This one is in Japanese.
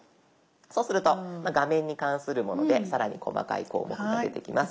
そうすると画面に関するもので更に細かい項目が出てきます。